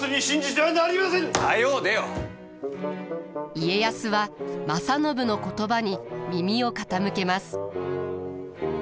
家康は正信の言葉に耳を傾けます。